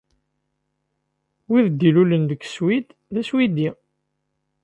Win i d-ilulen deg Swid d aswidi.